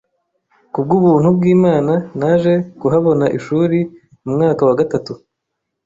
Ku bw’ubuntu bw’Imana naje kuhabona ishuri mu mwaka wa gatatu